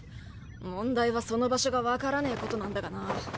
問題はその場所が分からねえことなんだがな。